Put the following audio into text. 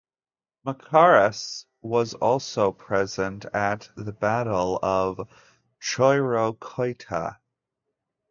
Machairas was also present at the Battle of Choirokoitia.